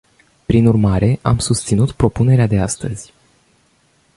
Prin urmare, am susținut propunerea de astăzi.